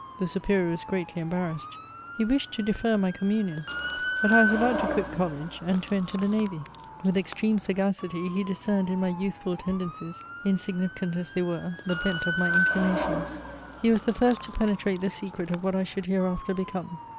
The Supe rior was greatly embarrassed : he wished to defer my commu luon, but I was about to quit college, and to enter the navy^ 106 MEMOIRS OF With extreme sagacity, be discerned in my youthful tenden cies, insignificant as they were, the bent of my inclinations. He was the first to penetrate the secret of what I should hereafter become.